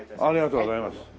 ありがとうございます。